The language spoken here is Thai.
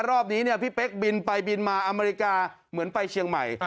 รอบนี้พี่เป๊กบินไปบินมาอเมริกาเหมือนไปเชียงใหม่